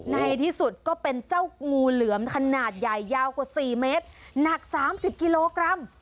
ในที่สุดก็เป็นเจ้างูเหลือมขนาดใหญ่ยาวกว่า๔เมตรหนัก๓๐กิโลกรัม